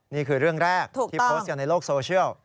นี่คือเรื่องแรกที่โพสต์กันในโลกโซเชียล